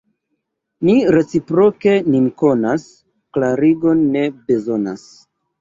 Ni reciproke nin konas, klarigon ne bezonas.